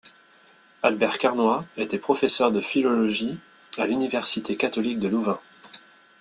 Albert Carnoy était professeur de philologie à l'Université catholique de Louvain.